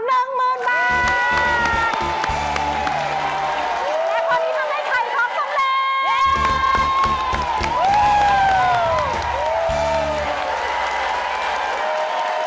และพอดีทำให้ไขเขาสำเร็จ